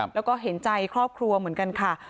แล้วก็เห็นใจครอบครัวเหมือนกันค่ะ